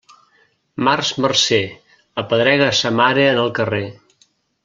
Març marcer, apedrega a sa mare en el carrer.